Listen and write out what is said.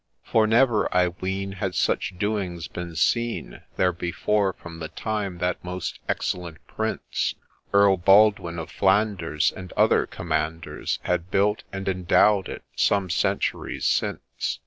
For never, I ween, had such doings been seen There before, from the time that most excellent Prince Earl Baldwin of Flanders, and other Commanders, Had built and endowed it some centuries since.